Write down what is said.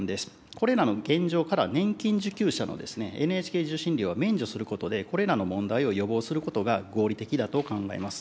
これらの現状から年金受給者のＮＨＫ受信料は免除することで、これらの問題を予防することが合理的だと考えます。